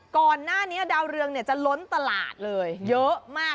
ก่อนหน้านี้ดาวเรืองจะล้นตลาดเลยเยอะมาก